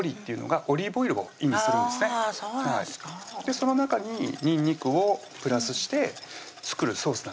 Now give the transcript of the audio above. その中ににんにくをプラスして作るソースなんです